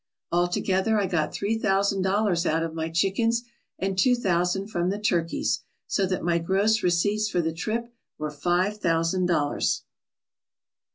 Altogether I got three thousand dollars out of my chickens and two thou sand from the turkeys, so that my gross receipts for the trip were five thousand dollars."